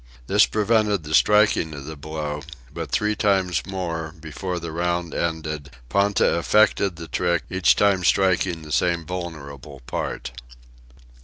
This prevented the striking of the blow; but three times more, before the round ended, Ponta effected the trick, each time striking the same vulnerable part.